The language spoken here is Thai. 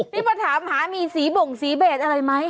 นี่มาถามหามีสีบ่งสีเบสอะไรไหม